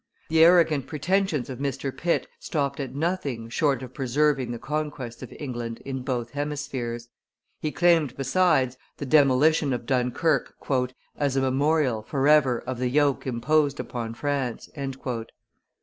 The arrogant pretensions of Mr. Pitt stopped at nothing short of preserving the conquests of England in both hemispheres; he claimed, besides, the demolition of Dunkerque "as a memorial forever of the yoke imposed upon France."